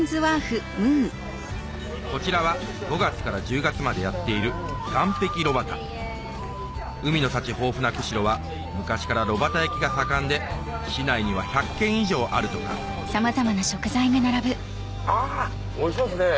こちらは５月から１０月までやっている海の幸豊富な釧路は昔から炉端焼きが盛んで市内には１００軒以上あるとかあっおいしそうですね！